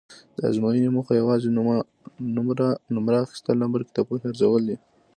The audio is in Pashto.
د ازموینو موخه یوازې نومره اخیستل نه بلکې د پوهې ارزول دي.